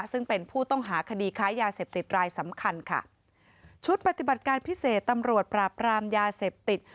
ซึ่งเป็นผู้ต้องหาคดีค้ายาเสพติดรายสำคัญค่ะชุดปฏิบัติการพิเศษตำรวจปราบรามยาเสพติด